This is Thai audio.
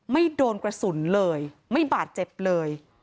ไม่โดนกระสุนเลยไม่บาดเจ็บเลย